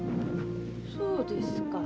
そうですか。